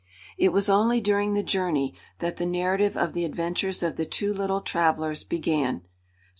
It was only during the journey that the narrative of the adventures of the two little travelers began.